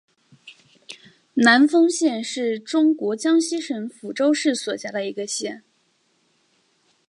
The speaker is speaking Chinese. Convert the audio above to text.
南丰县是中国江西省抚州市所辖的一个县。